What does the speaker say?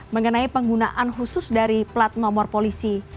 mengenai penggunaan khusus dari plat nomor polisi